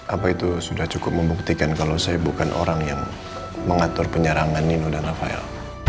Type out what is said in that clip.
apa itu sudah cukup membuktikan kalau saya bukan orang yang mengatur penyerangan nino dan rafael